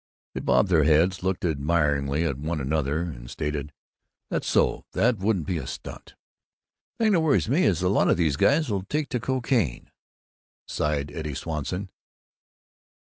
They bobbed their heads, looked admiringly at one another, and stated, "That's so, that would be the stunt." "The thing that worries me is that a lot of these guys will take to cocaine," sighed Eddie Swanson.